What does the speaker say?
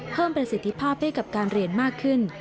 เพิ่มประสิทธิภาพให้กับการเรียนมากขึ้น